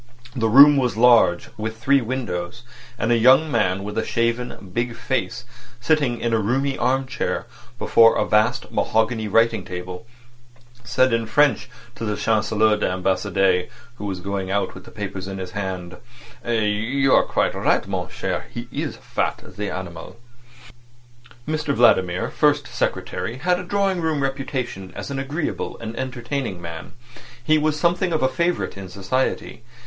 The room was large, with three windows; and a young man with a shaven, big face, sitting in a roomy arm chair before a vast mahogany writing table, said in French to the Chancelier d'Ambassade, who was going out with the papers in his hand: "You are quite right, mon cher. He's fat—the animal." Mr Vladimir, First Secretary, had a drawing room reputation as an agreeable and entertaining man. He was something of a favourite in society.